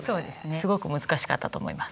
すごく難しかったと思います。